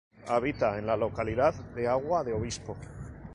Habita en la localidad de Agua de Obispo.